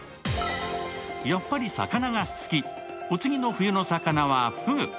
やっぱり魚が好き、お次の冬の魚はふぐ。